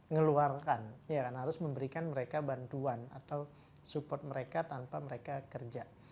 ngeluarkan ya kan harus memberikan mereka bantuan atau support mereka tanpa mereka kerja